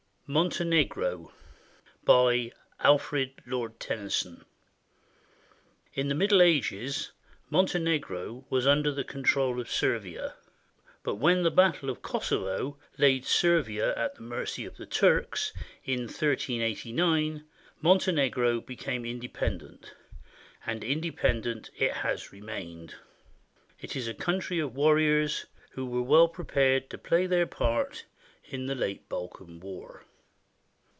MONTENEGRO BY ALFRED, LORD TENNYSON [In the Middle Ages, Montenegro was under the control of Servia; but when the battle of Kossovo laid Servia at the mercy of the Turks, in 1389, Montenegro became independ ent; and independent it has remained. It is a country of war riors, who were well prepared to play their part in the late Balkan War.